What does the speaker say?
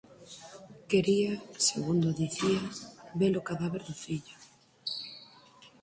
Quería, segundo dicía, ve-lo cadáver do fillo.